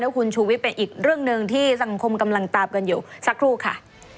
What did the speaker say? คุณชูวิทย์เป็นอีกเรื่องหนึ่งที่สังคมกำลังตามกันอยู่สักครู่ค่ะ